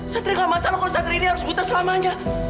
sadria gak masalah kalau sadria ini harus buta selamanya